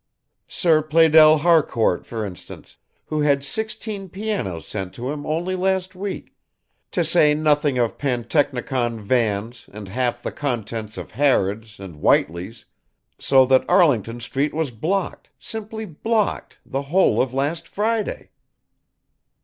"Sir Pleydell Harcourt for instance, who had sixteen pianos sent to him only last week, to say nothing of pantechnicon vans and half the contents of Harrods' and Whiteleys', so that Arlington Street was blocked, simply blocked, the whole of last Friday."